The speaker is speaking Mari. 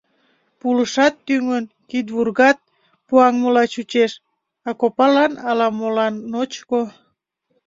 Пулышат тӱҥын, кидвургат пуаҥмыла чучеш, а копалан ала-молан ночко.